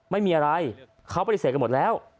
ไม่มีอะไรเขาปฏิเสธกันหมดแล้ว